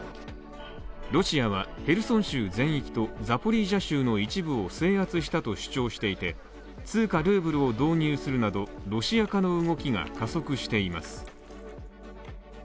ロシアはヘルソン州全域とザポリージャ州の一部を制圧したと主張していて、通貨ルーブルを導入するなど、ロシア化の動きが加速しています。